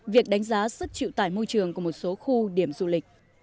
việc đánh giá sức chịu tải môi trường của một số khu điểm du lịch